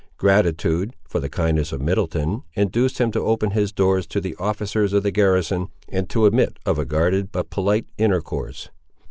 Gratitude, for the kindness of Middleton, induced him to open his doors to the officers of the garrison, and to admit of a guarded but polite intercourse.